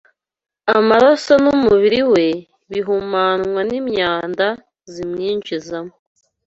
amaraso n’umubiri we bihumanywa n’imyanda zimwinjizamo